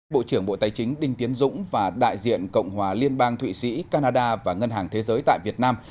bộ trưởng bộ tài chính đinh tiến dũng và đại diện cộng hòa liên bang thụy sĩ canada và ngân hàng thế giới tại việt nam